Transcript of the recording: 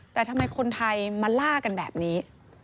แต่ทำไมคนไทยมาล่ากันแบบนี้